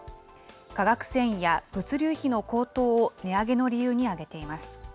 化学繊維や物流費の高騰を値上げの理由に挙げています。